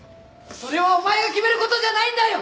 それはお前が決める事じゃないんだよ！！